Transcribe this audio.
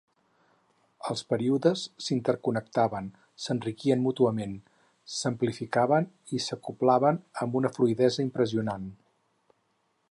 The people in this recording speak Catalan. Els períodes s"interconnectaven, s"enriquien mútuament, s"amplificaven i s"acoblaven amb una fluidesa impressionant.